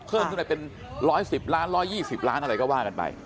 เพิ่มขึ้นไปเป็น๑๑๐ล้าน๑๒๐ล้านอะไรก็ว่ากันไป